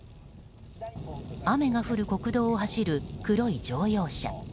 雨が降る国道を走る黒い乗用車。